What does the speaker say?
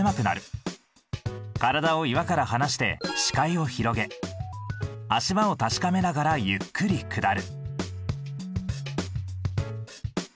体を岩から離して視界を広げ足場を確かめながらゆっくり下る。